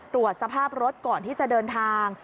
ตรวจสภาพรถก่อนที่จะเดินทาง